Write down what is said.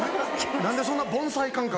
何でそんな盆栽感覚？